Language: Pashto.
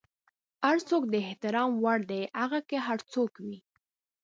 هر څوک د احترام وړ دی، هغه که هر څوک وي.